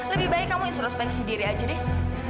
lebih baik kamu instrospeksi diri aja deh